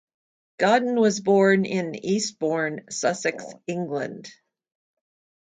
Godden was born in Eastbourne, Sussex, England.